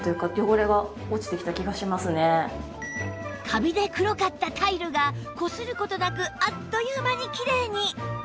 カビで黒かったタイルがこする事なくあっという間にきれいに